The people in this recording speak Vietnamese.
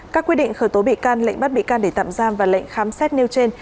các quy định khởi tố bị can lệnh bắt bị can để tạm giam và lệnh khám xét nêu trên